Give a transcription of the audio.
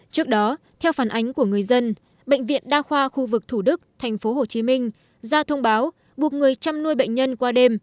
trước đó theo phản ánh của người dân bệnh viện đa khoa khu vực thủ đức tp hcm ra thông báo buộc người chăm nuôi bệnh nhân qua đêm